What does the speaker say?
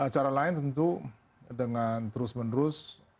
cara lain tentu dengan terus menerus